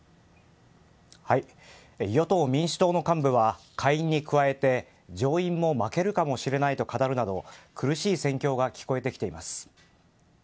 与党・民主党の幹部は下院に加えて上院も負けるかもしれないと語るなど苦しい戦況が聞こえてきています。